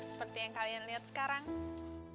seperti yang kalian lihat sekarang